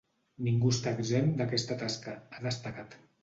Ningú està exempt d’aquesta tasca, ha destacat.